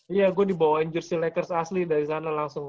iya gue dibawain jersi lakers asli dari sana langsung